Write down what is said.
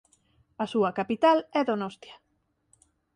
A súa capital é Donostia.